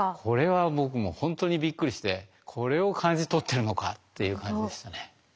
これは僕もほんとにびっくりしてこれを感じ取ってるのかっていう感じでしたね。